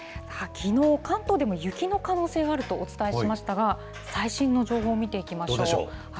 きのう、関東でも雪の可能性があるとお伝えしましたが、最新の情報を見ていきましょう。